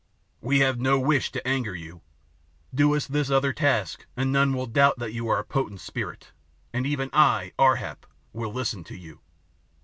"We have no wish to anger you. Do us this other task and none will doubt that you are a potent spirit, and even I, Ar hap, will listen to you."